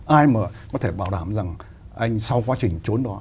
ai mà có thể bảo đảm rằng anh sau quá trình trốn đó